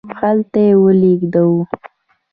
هلته یې ولیږدوو.